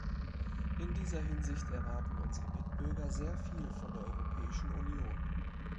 In dieser Hinsicht erwarten unsere Mitbürger sehr viel von der Europäischen Union.